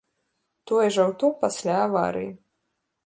Тое ж аўто пасля аварыі.